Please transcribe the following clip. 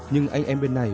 nhưng anh em bên này